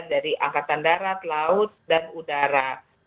dari angkatan darat laut dan udara